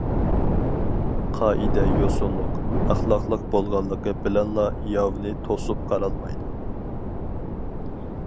قائىدە- يوسۇنلۇق، ئەخلاقلىق بولغانلىقى بىلەنلا ياۋنى توسۇپ قالالمايدۇ.